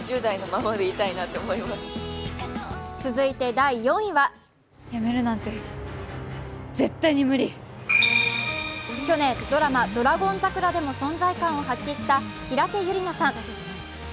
続いて第４位は去年、ドラマ「ドラゴン桜」でも存在感を発揮した平手友梨奈さん。